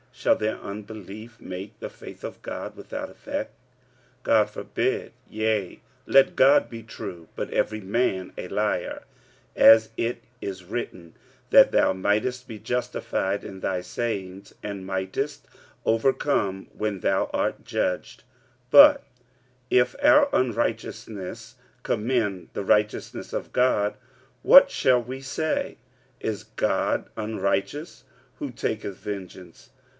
shall their unbelief make the faith of God without effect? 45:003:004 God forbid: yea, let God be true, but every man a liar; as it is written, That thou mightest be justified in thy sayings, and mightest overcome when thou art judged. 45:003:005 But if our unrighteousness commend the righteousness of God, what shall we say? Is God unrighteous who taketh vengeance?